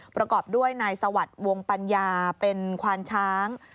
ประกอบด้วยนายสวัสดิ์วงปัญญาเป็นควานช้าง